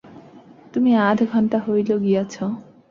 তুমি আধ ঘণ্টা হইল গিয়াছ।